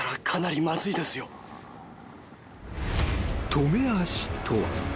［止め足とは］